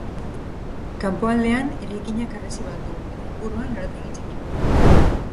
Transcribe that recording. Kanpoaldean, eraikinak harresi bat du eta inguruan lorategi txiki bat.